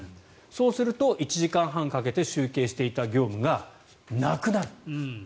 そうすると１時間半かけて集計していた業務がなくなる。